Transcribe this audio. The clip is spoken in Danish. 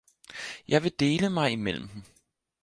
Jeg vil dele mig imellem dem